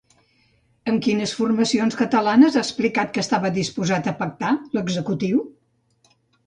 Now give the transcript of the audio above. Amb quines formacions catalanes ha explicat que estava disposat a pactar l'executiu?